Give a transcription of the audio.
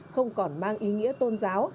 không còn mang ý nghĩa tôn giáo